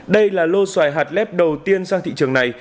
đây là lô xoài hạt lép đầu tiên sang thị trường này